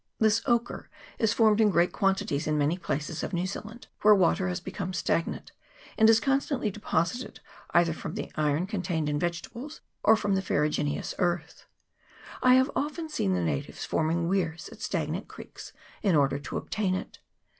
This ochre is formed in great quantities in many places of New Zealand, where water has become stagnant, and is constantly deposited either from the iron con tained in vegetables or from the ferruginous soil. I have often seen the natives forming weirs at stag nant creeks in order to obtain it.